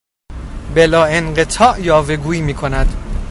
بلاانقطاع یاوه گویی میکند.